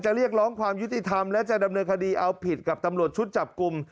เรียกร้องความยุติธรรมและจะดำเนินคดีเอาผิดกับตำรวจชุดจับกลุ่ม